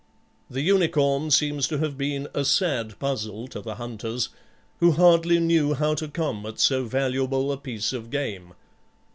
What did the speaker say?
The unicorn seems to have been a sad puzzle to the hunters, who hardly knew how to come at so valuable a piece of game.